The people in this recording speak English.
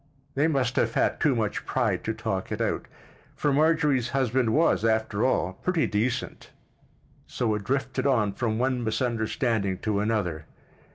They must have had too much pride to talk it out—for Marjorie's husband was, after all, pretty decent—so it drifted on from one misunderstanding to another.